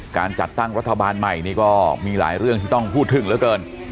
การจัดตั้งรัฐบาลใหม่นี่ก็มีหลายเรื่องที่ต้องพูดถึงเหลือเกิน